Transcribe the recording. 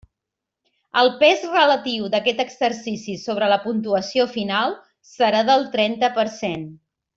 El pes relatiu d'aquest exercici sobre la puntuació final serà del trenta per cent.